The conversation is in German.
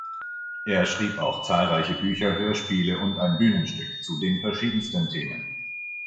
Er schrieb auch zahlreiche Bücher, Hörspiele und ein Bühnenstück zu den verschiedensten Themen.